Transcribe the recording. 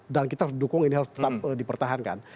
dan kita harus mendukung ini harus tetap dipertahankan